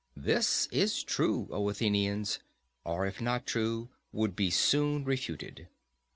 This is true, O Athenians, or, if not true, would be soon refuted.